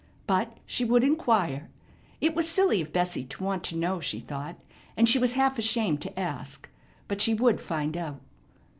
But she would inquire. It was silly of Bessie to want to know, she thought, and she was half ashamed to ask. But she would find out.